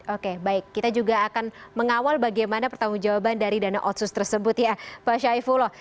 oke baik kita juga akan mengawal bagaimana pertanggung jawaban dari dana otsus tersebut ya pak syaifullah